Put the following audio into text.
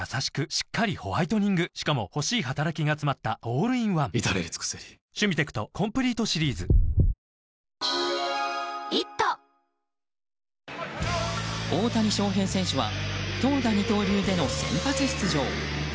しっかりホワイトニングしかも欲しい働きがつまったオールインワン至れり尽せり大谷翔平選手は投打二刀流での先発出場。